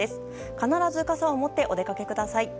必ず傘を持ってお出かけください。